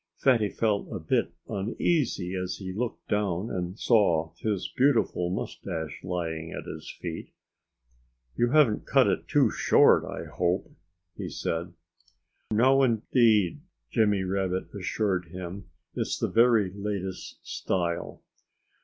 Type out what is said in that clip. Fatty felt a bit uneasy as he looked down and saw his beautiful moustache lying at his feet. "You haven't cut it too short, I hope," he said. "No, indeed!" Jimmy Rabbit assured him. "It's the very latest style."